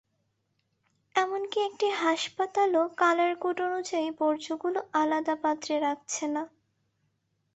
এমনকি একটি হাসপাতালও colour code অনুযায়ী বর্জ্যগুলো আলাদা পাত্রে রাখছে না।